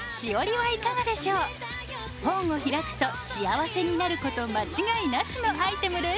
本を開くと幸せになること間違いなしのアイテムです。